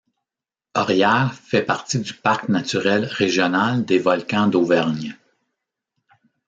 Aurières fait partie du parc naturel régional des volcans d'Auvergne.